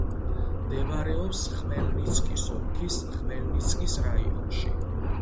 მდებარეობს ხმელნიცკის ოლქის ხმელნიცკის რაიონში.